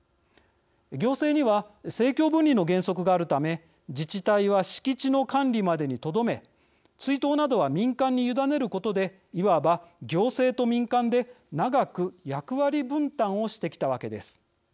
行政には政教分離の原則があるため自治体は敷地の管理までにとどめ追悼などは民間に委ねることでいわば、行政と民間で長く「役割分担」をしてきたわけです。